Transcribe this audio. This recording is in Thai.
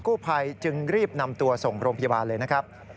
กู้ภัยจึงรีบนำตัวส่งโรงพยาบาลเลยนะครับ